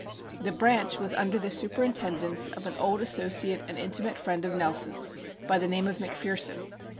This branch was under the superintendence of an old associate and intimate friend of Nelson's by the name of McPherson.